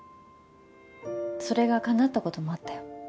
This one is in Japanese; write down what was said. それがかなったこともあったよ。